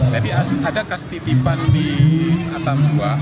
jadi ada kas titipan di atambua